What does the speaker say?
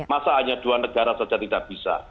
masa hanya dua negara saja tidak bisa